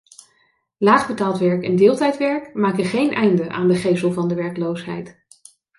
Laag betaald werk en deeltijdwerk maken geen einde aan de gesel van de werkloosheid.